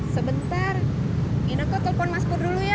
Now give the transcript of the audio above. sebentar ine kok telpon mas pur dulu ya